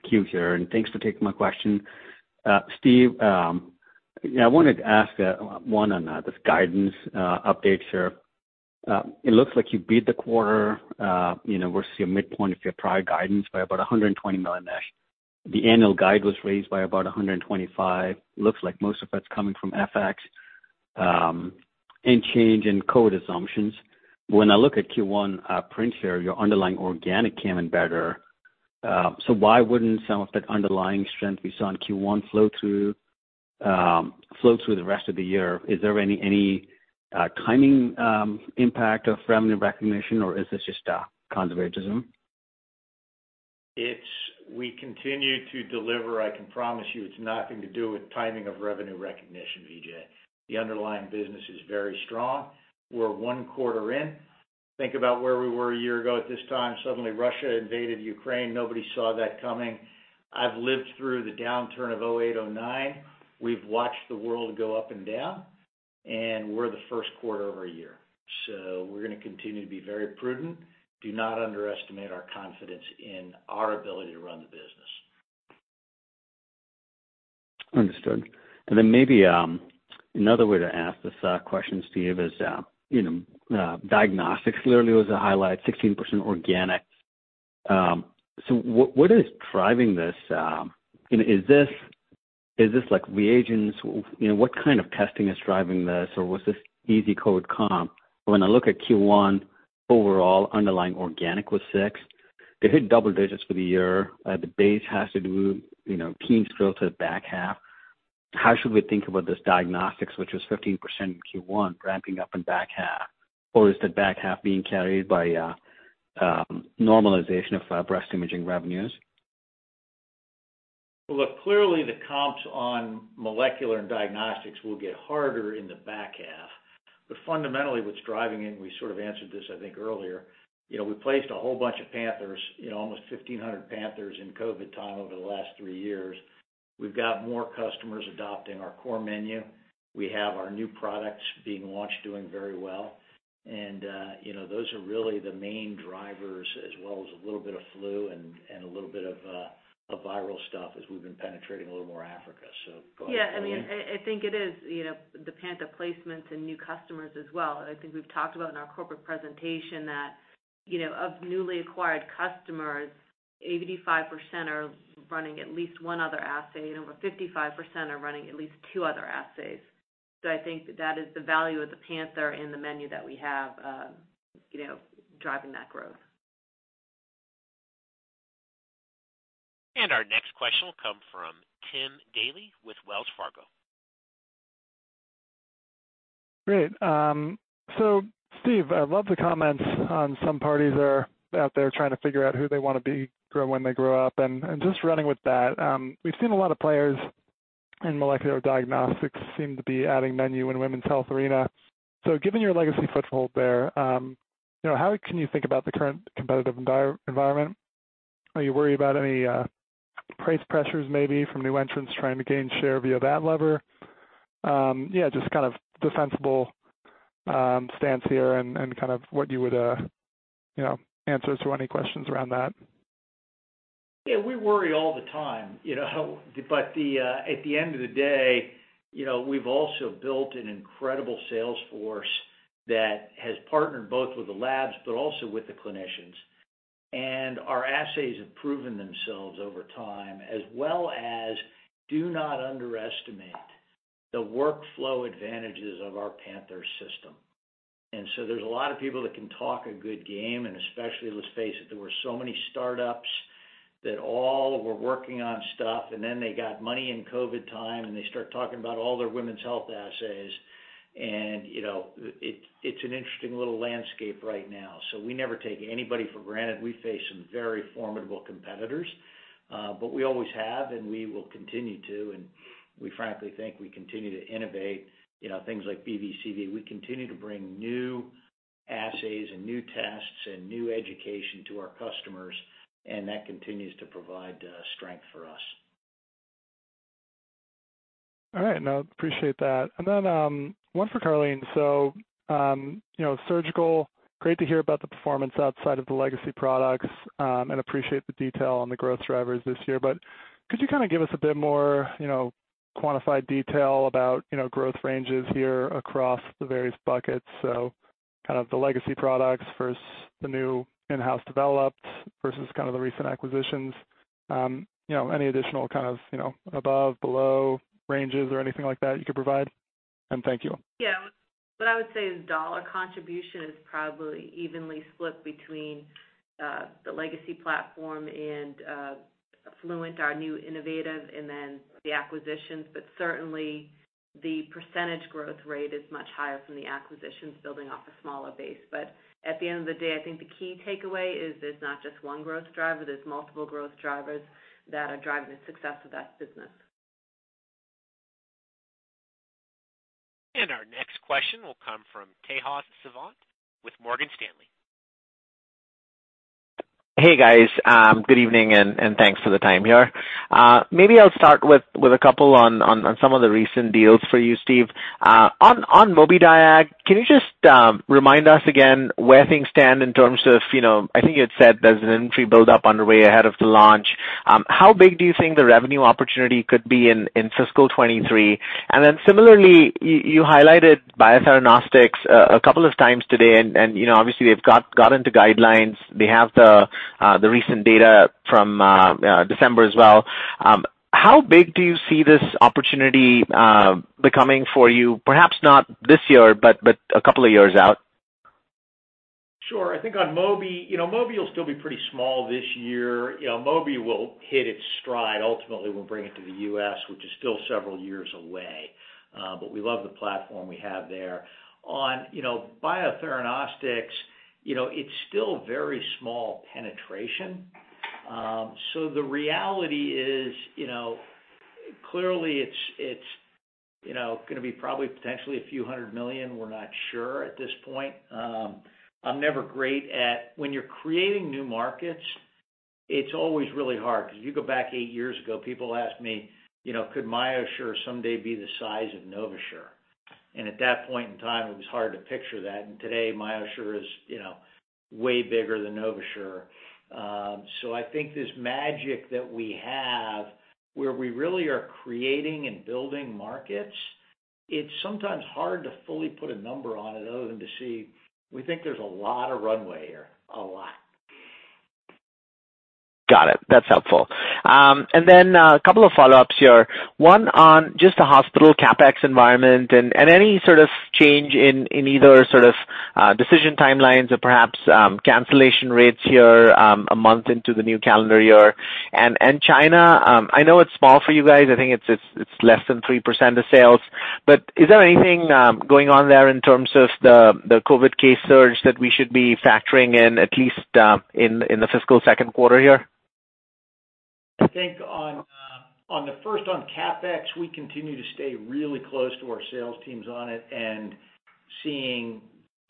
Q here. Thanks for taking my question. Steve, I wanted to ask one on this guidance update here. It looks like you beat the quarter versus your midpoint of your prior guidance by about $120 million-ish. The annual guide was raised by about $125. Looks like most of that's coming from FX and change in code assumptions. When I look at Q1 print here, your underlying organic came in better. Why wouldn't some of that underlying strength we saw in Q1 flow through the rest of the year? Is there any timing impact of revenue recognition or is this just conservatism? We continue to deliver. I can promise you it's nothing to do with timing of revenue recognition, Vijay. The underlying business is very strong. We're one quarter in. Think about where we were a year ago at this time. Suddenly, Russia invaded Ukraine. Nobody saw that coming. I've lived through the downturn of 2008, 2009. We've watched the world go up and down, and we're the first quarter over a year. We're going to continue to be very prudent. Do not underestimate our confidence in our ability to run the business. Understood. Then maybe another way to ask this question, Steve, is, you know, diagnostics clearly was a highlight, 16% organic. What is driving this? You know, is this, is this like reagents? You know, what kind of testing is driving this? Was this easy code comp? When I look at Q1, overall underlying organic was 6%. They hit double digits for the year. The base has to do, you know, teams drill to the back half. How should we think about this diagnostics, which was 15% in Q1, ramping up in back half? Is the back half being carried by normalization of breast imaging revenues? Look, clearly the comps on molecular and diagnostics will get harder in the back half. Fundamentally, what's driving it, and we sort of answered this, I think earlier, you know, we placed a whole bunch of Panthers, you know, almost 1,500 Panthers in COVID time over the last three years. We've got more customers adopting our core menu. We have our new products being launched, doing very well. You know, those are really the main drivers as well as a little bit of flu and a little bit of viral stuff as we've been penetrating a little more Africa. Go ahead, Carleen. Yeah, I mean, I think it is, you know, the Panther placements and new customers as well. I think we've talked about in our corporate presentation that, you know, of newly acquired customers, 85% are running at least 1 other assay, and over 55% are running at least 2 other assays. I think that is the value of the Panther and the menu that we have, you know, driving that growth. Our next question will come from Tim Daley with Wells Fargo. Great. Steve, I love the comments on some parties are out there trying to figure out who they wanna be when they grow up. Just running with that, we've seen a lot of players in molecular diagnostics seem to be adding menu in women's health arena. Given your legacy foothold there, you know, how can you think about the current competitive environment? Are you worried about any price pressures maybe from new entrants trying to gain share via that lever? Yeah, just kind of defensible stance here and kind of what you would, you know, answer to any questions around that? Yeah, we worry all the time, you know. At the end of the day, you know, we've also built an incredible sales force that has partnered both with the labs but also with the clinicians. Our assays have proven themselves over time, as well as do not underestimate the workflow advantages of our Panther system. There's a lot of people that can talk a good game, and especially, let's face it, there were so many startups that all were working on stuff, and then they got money in COVID time, and they start talking about all their women's health assays. You know, it's an interesting little landscape right now. We never take anybody for granted. We face some very formidable competitors, but we always have, and we will continue to, and we frankly think we continue to innovate, you know, things like BVCV. We continue to bring new assays and new tests and new education to our customers, and that continues to provide, strength for us. All right. No, appreciate that. One for Karleen. You know, surgical, great to hear about the performance outside of the legacy products and appreciate the detail on the growth drivers this year. Could you kind of give us a bit more, you know, quantified detail about, you know, growth ranges here across the various buckets? Kind of the legacy products versus the new in-house developed versus kind of the recent acquisitions. You know, any additional kind of, you know, above, below ranges or anything like that you could provide? Thank you. Yeah. What I would say is dollar contribution is probably evenly split between the legacy platform and Fluent, our new innovative, and then the acquisitions. Certainly, the % growth rate is much higher from the acquisitions building off a smaller base. At the end of the day, I think the key takeaway is there's not just one growth driver, there's multiple growth drivers that are driving the success of that business. Our next question will come from Tejas Savant with Morgan Stanley. Hey, guys. Good evening and thanks for the time here. Maybe I'll start with a couple on some of the recent deals for you, Steve. On Mobidiag, can you just remind us again where things stand in terms of, you know, I think you had said there's an inventory buildup underway ahead of the launch. How big do you think the revenue opportunity could be in fiscal 2023? Similarly, you highlighted Biotheranostics a couple of times today, and, you know, obviously they've gotten to guidelines. They have the recent data from December as well. How big do you see this opportunity becoming for you, perhaps not this year, but a couple of years out? Sure. I think on Mobi, you know, Mobi will still be pretty small this year. You know, Mobi will hit its stride ultimately when we bring it to the U.S., which is still several years away. We love the platform we have there. On, you know, Biotheranostics, you know, it's still very small penetration. The reality is, you know, clearly, it's, you know, gonna be probably potentially a few hundred million dollars. We're not sure at this point. I'm never great at... When you're creating new markets, it's always really hard because you go back eight years ago, people ask me, you know, Could MyoSure someday be the size of NovaSure? At that point in time, it was hard to picture that. Today, MyoSure is, you know, way bigger than NovaSure. I think this magic that we have where we really are creating and building markets, it's sometimes hard to fully put a number on it other than to see, we think there's a lot of runway here, a lot. Got it. That's helpful. Then a couple of follow-ups here. One on just the hospital CapEx environment and any sort of change in either sort of decision timelines or perhaps cancellation rates here a month into the new calendar year. China, I know it's small for you guys. I think it's less than 3% of sales. Is there anything going on there in terms of the COVID case surge that we should be factoring in, at least, in the fiscal second quarter here? I think on the first on CapEx, we continue to stay really close to our sales teams on it and seeing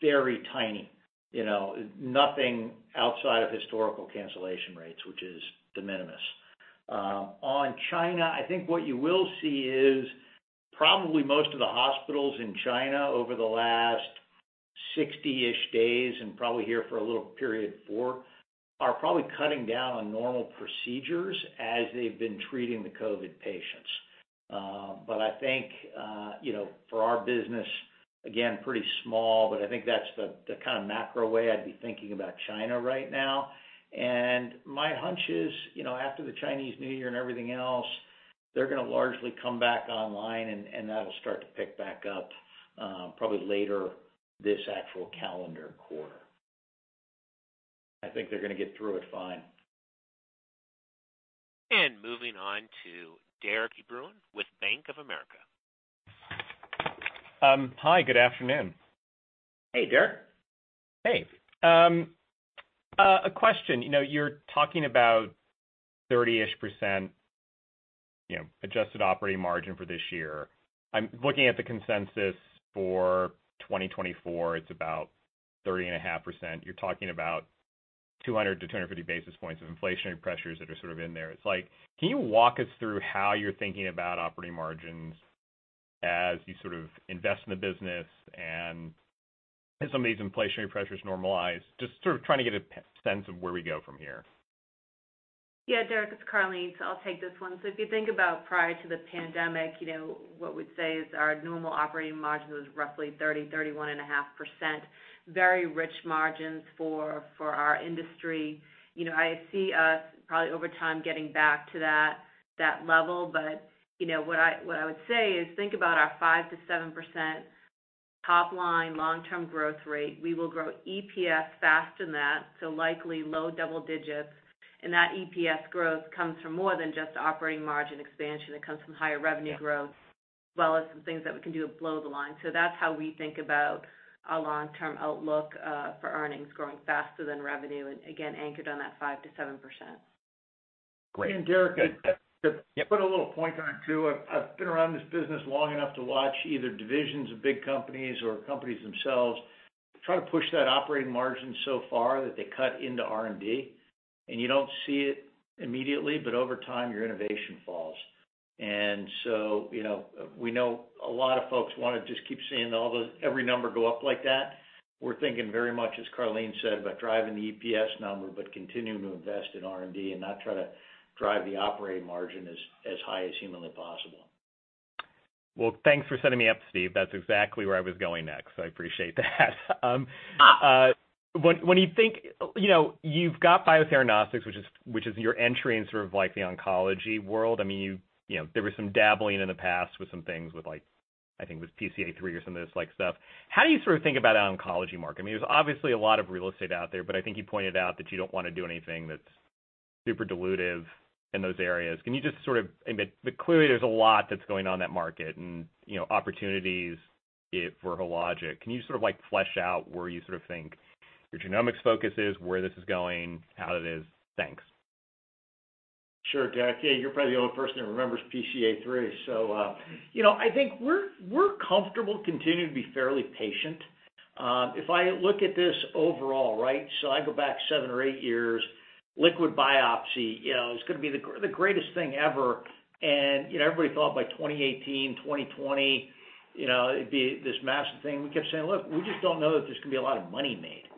very tiny, you know, nothing outside of historical cancellation rates, which is de minimis. On China, I think what you will see is probably most of the hospitals in China over the last 60-ish days and probably here for a little period before, are probably cutting down on normal procedures as they've been treating the COVID patients. But I think, you know, for our business, again, pretty small, but I think that's the kind of macro way I'd be thinking about China right now. My hunch is, you know, after the Chinese New Year and everything else, they're gonna largely come back online and that'll start to pick back up, probably later this actual calendar quarter. I think they're gonna get through it fine. Moving on to Derik de Bruin with Bank of America. Hi. Good afternoon. Hey, Derik. Hey. A question. You know, you're talking about 30-ish%, you know, adjusted operating margin for this year. I'm looking at the consensus for 2024, it's about 30.5%. You're talking about 200-250 basis points of inflationary pressures that are sort of in there. Can you walk us through how you're thinking about operating margins as you sort of invest in the business and as some of these inflationary pressures normalize? Just sort of trying to get a sense of where we go from here. Yeah, Derik, it's Karleen. I'll take this one. If you think about prior to the pandemic, you know, what we'd say is our normal operating margin was roughly 30%-31.5%. Very rich margins for our industry. You know, I see us probably over time getting back to that level. What I would say is think about our 5%-7% top-line long-term growth rate, we will grow EPS faster than that, so likely low double digits. That EPS growth comes from more than just operating margin expansion. It comes from higher revenue growth, as well as some things that we can do below the line. That's how we think about our long-term outlook for earnings growing faster than revenue, and again, anchored on that 5%-7%. Great. Derik, to put a little point on it too. I've been around this business long enough to watch either divisions of big companies or companies themselves try to push that operating margin so far that they cut into R&D. You don't see it immediately, but over time, your innovation falls. You know, we know a lot of folks wanna just keep seeing every number go up like that. We're thinking very much, as Karleen said, about driving the EPS number, but continuing to invest in R&D and not try to drive the operating margin as high as humanly possible. Thanks for setting me up, Steve. That's exactly where I was going next. I appreciate that. When you think, you know, you've got Biotheranostics, which is your entry into sort of like the oncology world. I mean, you know, there was some dabbling in the past with some things with like, I think it was PCA3 or some of this like stuff. How do you sort of think about an oncology market? I mean, there's obviously a lot of real estate out there, I think you pointed out that you don't wanna do anything that's super dilutive in those areas. Clearly, there's a lot that's going on in that market and, you know, opportunities for Hologic. Can you sort of like flesh out where you sort of think your genomics focus is, where this is going, how it is? Thanks. Sure, Derik. Yeah, you're probably the only person that remembers PCA3. You know, I think we're comfortable continuing to be fairly patient. If I look at this overall, right? I go back seven or eight years, liquid biopsy, you know, is gonna be the greatest thing ever. You know, everybody thought by 2018, 2020, you know, it'd be this massive thing. We kept saying, "Look, we just don't know that there's gonna be a lot of money made."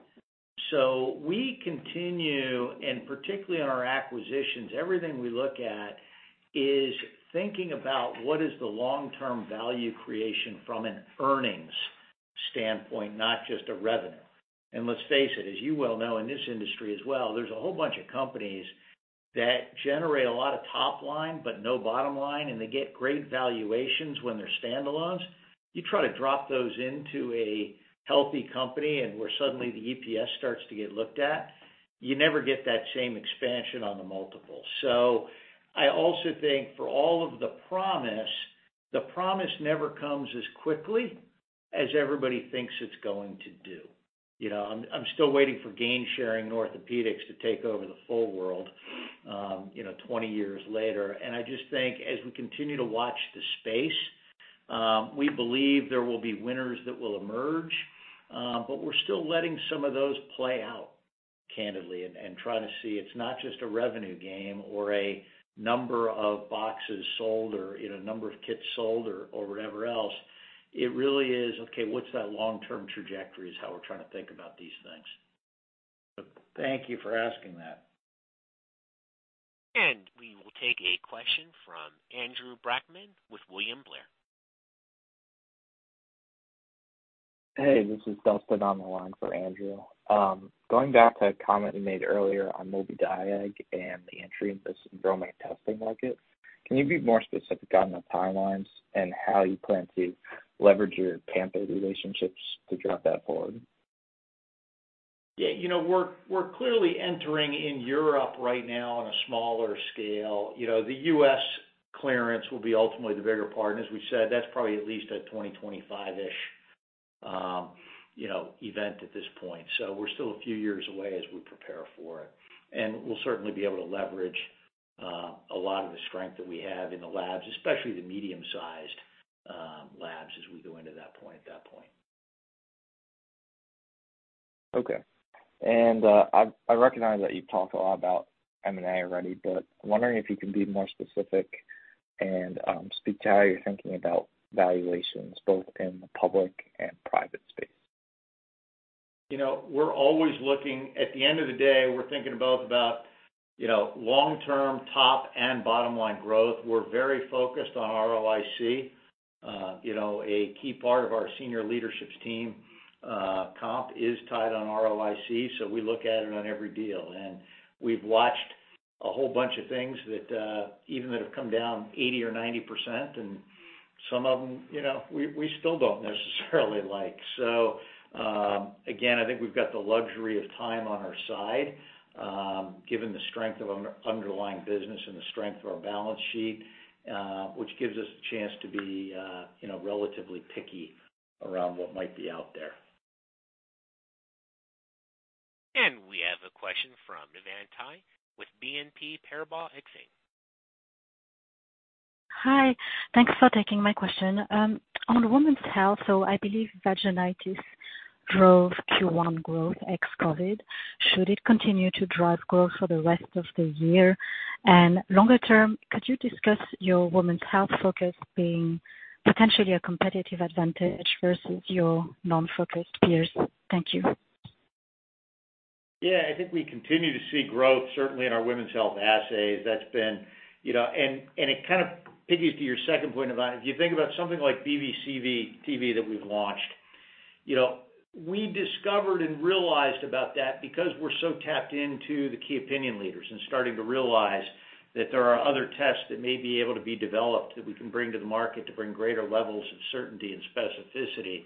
We continue, and particularly on our acquisitions, everything we look at is thinking about what is the long-term value creation from an earnings standpoint, not just a revenue. Let's face it, as you well know, in this industry as well, there's a whole bunch of companies that generate a lot of top line, but no bottom line, and they get great valuations when they're standalones. You try to drop those into a healthy company where suddenly the EPS starts to get looked at, you never get that same expansion on the multiple. I also think for all of the promise, the promise never comes as quickly as everybody thinks it's going to do. You know, I'm still waiting for gain sharing orthopedics to take over the full world, you know, 20 years later. I just think as we continue to watch the space, we believe there will be winners that will emerge, but we're still letting some of those play out, candidly, and trying to see it's not just a revenue game or a number of boxes sold or, you know, number of kits sold or whatever else. It really is, okay, what's that long-term trajectory is how we're trying to think about these things. Thank you for asking that. We will take a question from Dustin Scaringe with William Blair. Hey, this is Dustin on the line for Andrew. Going back to a comment you made earlier on Mobidiag and the entry into syndromic testing market, can you be more specific on the timelines and how you plan to leverage your Panther relationships to drive that forward? Yeah, you know, we're clearly entering in Europe right now on a smaller scale. You know, the U.S. clearance will be ultimately the bigger part. As we said, that's probably at least a 2025-ish, you know, event at this point. We're still a few years away as we prepare for it. We'll certainly be able to leverage a lot of the strength that we have in the labs, especially the medium-sized labs, as we go into that point. Okay. I recognize that you've talked a lot about M&A already, but I'm wondering if you can be more specific and speak to how you're thinking about valuations, both in the public and private space. You know, we're always looking at the end of the day, we're thinking about, you know, long-term top and bottom line growth. We're very focused on ROIC. You know, a key part of our senior leadership team, comp is tied on ROIC, so we look at it on every deal. We've watched a whole bunch of things that even that have come down 80% or 90%, and some of them, you know, we still don't necessarily like. Again, I think we've got the luxury of time on our side, given the strength of an underlying business and the strength of our balance sheet, which gives us a chance to be, you know, relatively picky around what might be out there. We have a question from Navann Ty with BNP Paribas Exane. Hi. Thanks for taking my question. On women's health, I believe vaginitis drove Q1 growth ex-COVID. Should it continue to drive growth for the rest of the year? Longer term, could you discuss your women's health focus being potentially a competitive advantage versus your non-focused peers? Thank you. Yeah. I think we continue to see growth, certainly in our women's health assays. That's been, you know. And it kind of piggies to your second point about it. If you think about something like BV TV that we've launched, you know, we discovered and realized about that because we're so tapped into the key opinion leaders and starting to realize that there are other tests that may be able to be developed that we can bring to the market to bring greater levels of certainty and specificity.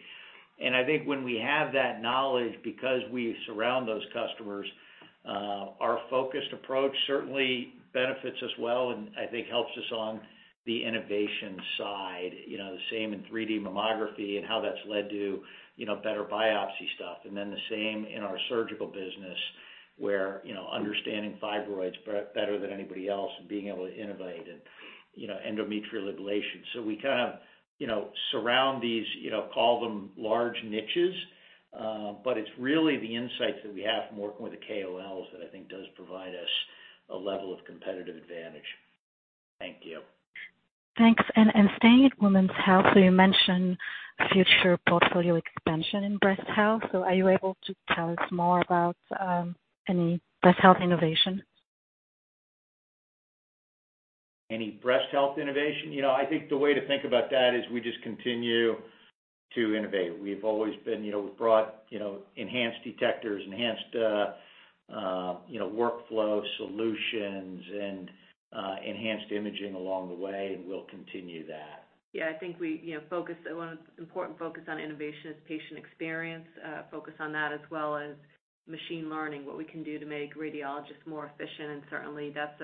I think when we have that knowledge, because we surround those customers, our focused approach certainly benefits us well and I think helps us on the innovation side. You know, the same in 3D mammography and how that's led to, you know, better biopsy stuff. The same in our surgical business, where, you know, understanding fibroids better than anybody else and being able to innovate and, you know, endometrial ablation. We kind of, you know, surround these, you know, call them large niches, but it's really the insights that we have from working with the KOLs that I think does provide us a level of competitive advantage. Thank you. Thanks. staying at women's health, you mentioned future portfolio expansion in breast health. Are you able to tell us more about any breast health innovation? Any breast health innovation? You know, I think the way to think about that is we just continue to innovate. We've always been, you know, we've brought, you know, enhanced detectors, enhanced, you know, workflow solutions and, enhanced imaging along the way, and we'll continue that. Yeah. I think we, you know, One important focus on innovation is patient experience, focus on that as well as machine learning, what we can do to make radiologists more efficient. Certainly, that's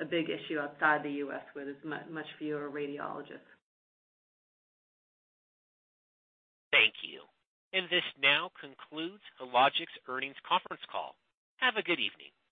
a big issue outside the U.S., where there's much fewer radiologists. Thank you. This now concludes Hologic's earnings conference call. Have a good evening.